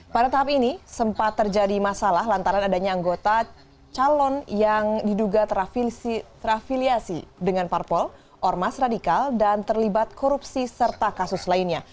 pada tahap ini sempat terjadi masalah lantaran adanya anggota calon yang diduga terafiliasi dengan parpol ormas radikal dan terlibat korupsi serta kasus lainnya